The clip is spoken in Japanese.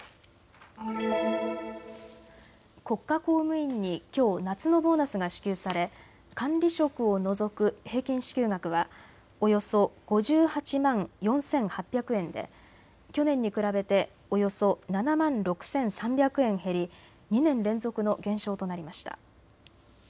国家公務員にきょう夏のボーナスが支給され管理職を除く平均支給額はおよそ５８万４８００円で去年に比べておよそ７万６３００円減り２年連続の減少となりました。